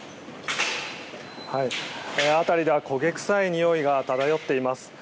辺りでは焦げ臭いにおいが漂っています。